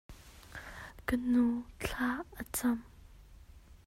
Ka nu thla a cam.